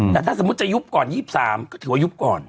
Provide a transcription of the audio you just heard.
แต่ถ้าสมมุติจะยุบก่อน๒๓ก็ถือว่ายุบก่อน